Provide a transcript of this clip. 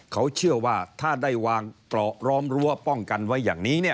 เขาเชื่อว่าถ้าได้วางเปราะร้อมรั้วป้องกันไว้อย่างนี้